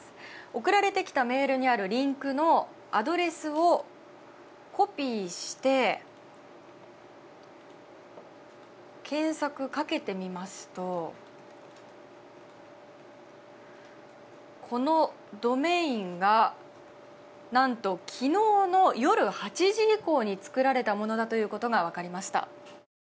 送られてきたメールにあるリンクのアドレスをコピーして検索をかけてみますとこのドメインが何と昨日の夜８時以降に作られたものだということが分かりました。